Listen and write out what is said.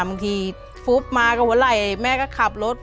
บางทีฟุ๊บมาก็เวลาแม่ก็ขับรถ